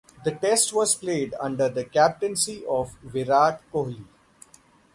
This test was played under the captaincy of Virat Kohli.